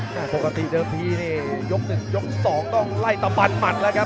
น่าปกติเดิมทียก๑ยก๒ต้องล่ิ่นตะปันหมัดแล้วครับ